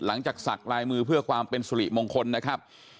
สักลายมือเพื่อความเป็นสุริมงคลนะครับ